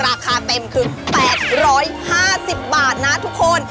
ราคาเต็มคือ๘๕๐บาทนะทุกคน